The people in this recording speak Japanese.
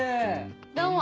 どうも！